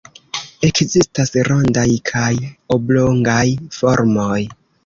Ekzistas rondaj kaj oblongaj formoj.